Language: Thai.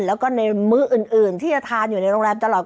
แล้วก็ในมื้ออื่นที่จะทานอยู่ในโรงแรมตลอด